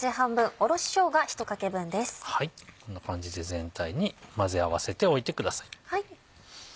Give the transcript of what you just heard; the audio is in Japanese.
こんな感じで全体に混ぜ合わせておいてください。